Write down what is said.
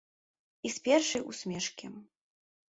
І з першай усмешкі.